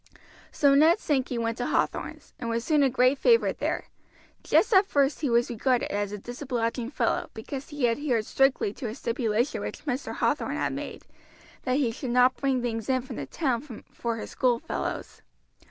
So Ned Sankey went to Hathorn's, and was soon a great favorite there. Just at first he was regarded as a disobliging fellow because he adhered strictly to a stipulation which Mr. Hathorn had made, that he should not bring things in from the town for his school fellows.